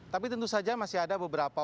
tapi tentu saja masih ada beberapa